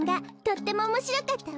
とってもおもしろかったわ。